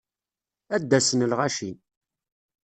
Ad d-asen lɣaci.